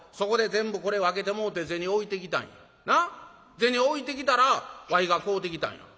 銭置いてきたらわいが買うてきたんやがな。